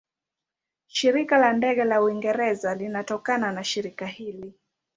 Shirika la Ndege la Uingereza linatokana na shirika hili.